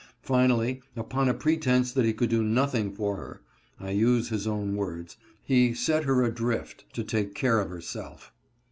Finally, upon a pretense that he could do nothing for her (I use his own words), he " set her adrift to take care of herself."